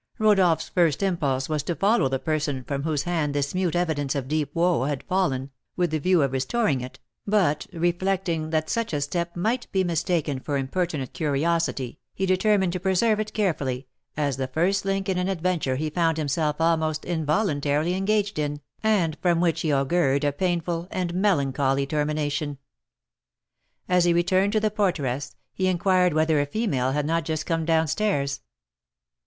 Rodolph's first impulse was to follow the person from whose hand this mute evidence of deep woe had fallen, with the view of restoring it, but, reflecting that such a step might be mistaken for impertinent curiosity, he determined to preserve it carefully, as the first link in an adventure he found himself almost involuntarily engaged in, and from which he augured a painful and melancholy termination. As he returned to the porteress, he inquired whether a female had not just come down stairs.